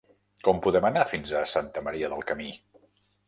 Com podem anar fins a Santa Maria del Camí?